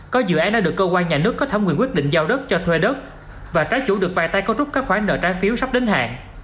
có dự án đã được cơ quan nhà nước có thẩm quyền quyết định giao đất cho thuê đất và trái chủ được vai tay cấu trúc các khoản nợ trái phiếu sắp đến hạn